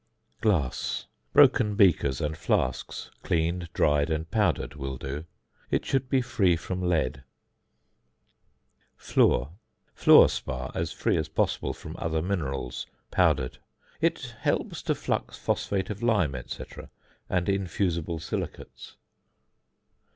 ~Glass~: broken beakers and flasks, cleaned, dried, and powdered will do. It should be free from lead. ~Fluor~: fluor spar as free as possible from other minerals, powdered. It helps to flux phosphate of lime, &c., and infusible silicates.